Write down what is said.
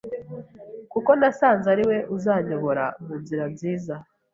kuko nasanze ari we uzanyobora mu nzira nziza!